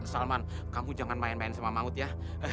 salman kamu jangan main main sama mangut ya